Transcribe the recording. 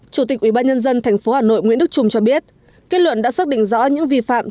chủ tịch ủy ban nhân dân tp hà nội nguyễn đức trung cho biết kết luận đã xác định rõ những vi phạm